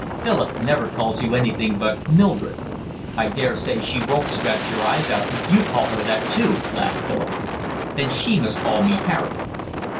Philip never calls you anything but Mildred." "I daresay she won't scratch your eyes out if you call her that too," laughed Philip. "Then she must call me Harry."